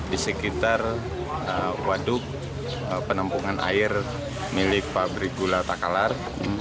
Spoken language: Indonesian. di sekitar waduk penampungan air milik pabrik gula takalar